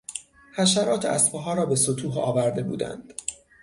حشرات اسبها را به ستوه آورده بودند.